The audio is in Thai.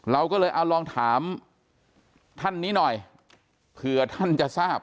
เราก็เลยเอาลองถามท่านนี้หน่อยเผื่อท่านจะทราบ